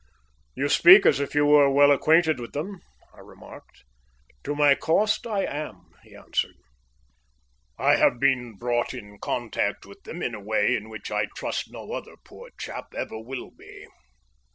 "You speak as if you were well acquainted with them," I remarked. "To my cost, I am," he answered. "I have been brought in contact with them in a way in which I trust no other poor chap ever will be.